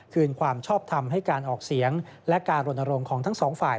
คืนความชอบทำให้การออกเสียงและการรณรงค์ของทั้งสองฝ่าย